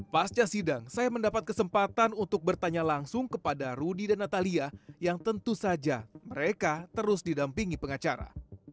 pasca sidang saya mendapat kesempatan untuk bertanya langsung kepada rudy dan natalia yang tentu saja mereka terus didampingi pengacara